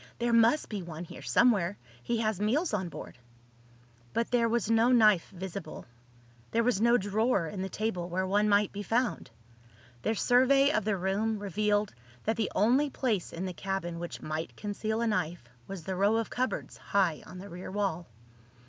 "There must be one here somewhere. He has meals on board." But there was no knife visible. There was no drawer in the table where one might be found. Their survey of the room revealed that the only place in the cabin which might conceal a knife was the row of cupboards high on the rear wall.